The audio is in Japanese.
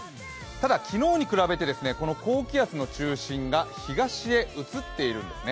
ただ昨日に比べて、この高気圧の中心が東へ移っているんですね。